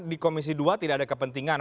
di komisi dua tidak ada kepentingan